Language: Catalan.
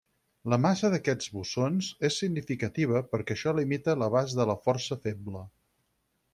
La massa d'aquests bosons és significativa perquè això limita l'abast de la força feble.